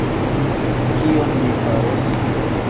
Kion mi faros?